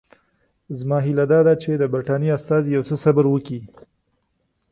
زما هیله دا ده چې د برټانیې استازي یو څه صبر وکړي.